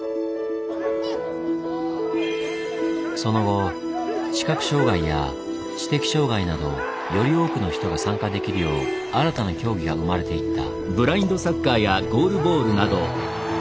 その後視覚障害や知的障害などより多くの人が参加できるよう新たな競技が生まれていった。